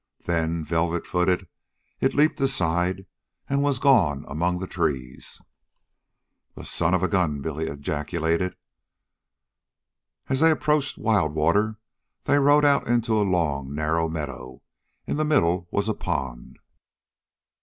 Then, velvet footed, it leapt aside and was gone among the trees. "The son of a gun!" Billy ejaculated. As they approached Wild Water; they rode out into a long narrow meadow. In the middle was a pond.